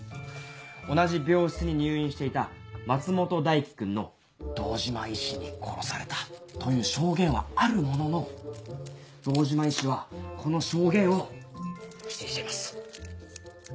同じ病室に入院していた松本大希君の「堂島医師に殺された」という証言はあるものの堂島医師はこの証言を否定しています。